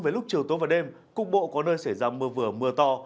với lúc chiều tối và đêm cục bộ có nơi xảy ra mưa vừa mưa to